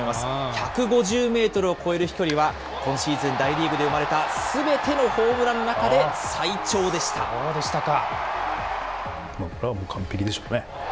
１５０メートルを超える飛距離は、今シーズン大リーグで生まれたすべてのホームランの中で最長でしそうでしたか。